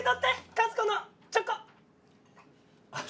和子のチョコ！